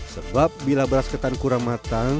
sebab bila beras ketan kurang matang